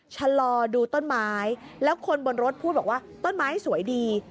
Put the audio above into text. ชะลอดูต้นไม้แล้วคนบนรถพูดบอกว่าต้นไม้สวยดี